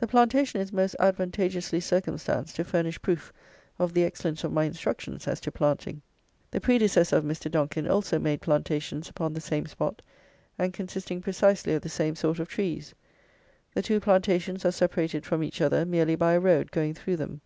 The plantation is most advantageously circumstanced to furnish proof of the excellence of my instructions as to planting. The predecessor of Mr. Donkin also made plantations upon the same spot, and consisting precisely of the same sort of trees. The two plantations are separated from each other merely by a road going through them.